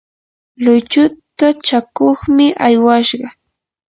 luychuta chakuqmi aywashqa.